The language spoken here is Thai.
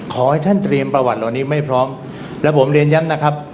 ขอให้ท่านเตรียมประวัติเหล่านี้ไม่พร้อมและผมเรียนย้ำนะครับ